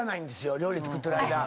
料理作ってる間。